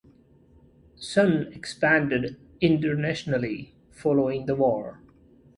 Sun expanded internationally following the war.